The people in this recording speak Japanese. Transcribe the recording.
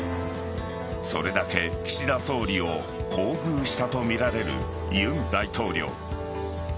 それだけ岸田総理を厚遇したとみられる尹大統領。